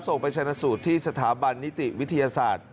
ไปชนะสูตรที่สถาบันนิติวิทยาศาสตร์